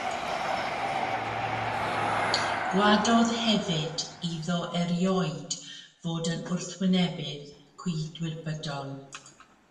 Gwadodd hefyd iddo erioed fod yn wrthwynebydd cydwybodol.